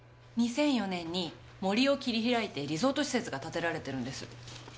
２００４年に森を切り開いてリゾート施設が建てられてるんです。